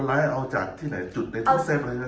คนร้ายก็เอาจากที่ไหนจุดในตู้เซฟอะไรรึไง